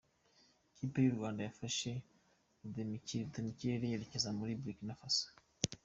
Ikipe yu Rwanda yafashe rutemikirere yerekeza muri Burkina Faso